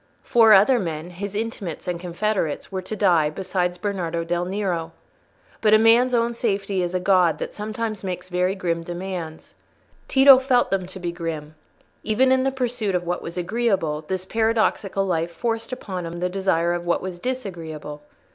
Four other men—his intimates and confederates—were to die, besides Bernardo del Nero. But a man's own safety is a god that sometimes makes very grim demands. Tito felt them to be grim: even in the pursuit of what was agreeable, this paradoxical life forced upon him the desire for what was disagreeable.